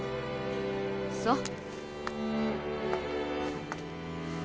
そう。